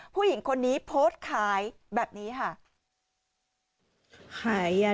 ผู้หญิงคนนี้โพสต์ขายแบบนี้ค่ะ